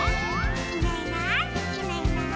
「いないいないいないいない」